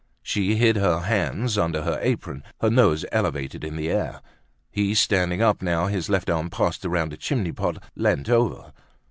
She hid her hands under her apron, her nose elevated in the air. He, standing up now, his left arm passed round a chimney pot, leant over.